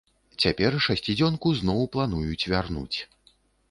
Цяпер шасцідзёнку зноў плануюць вярнуць.